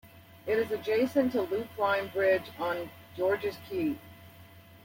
It is adjacent to Loopline Bridge on George's Quay.